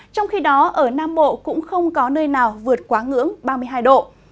trong khi đó ở nam bộ cũng không có nơi nào vượt quá ngưỡng ba mươi hai độ